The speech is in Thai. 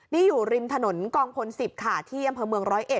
นี่อยู่ริมถนนกองพล๑๐ค่ะที่อำเภอเมือง๑๐๑